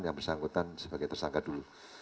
yang bersangkutan sebagai tersangka dulu